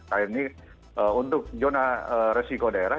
tandanya untuk zona risiko daerah